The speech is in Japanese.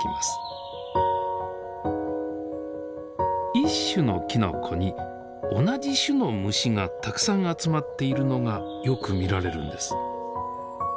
一種のきのこに同じ種の虫がたくさん集まっているのがよく見られるんです。